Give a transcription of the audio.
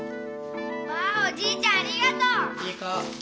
わあおじいちゃんありがとう。